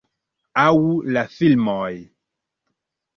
Aŭ la filmoj.